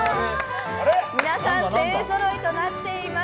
皆さん、勢ぞろいとなっています。